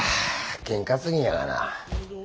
験担ぎやがな。